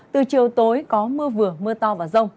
từ chiều tối có mưa vừa mưa to và rông